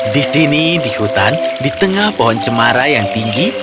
di sini di hutan di tengah pohon cemara yang tinggi